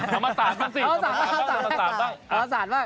ธรรมศาสตร์บ้างสิธรรมศาสตร์บ้าง